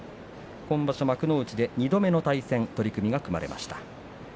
今場所、幕内で２度目の対戦が組まれました。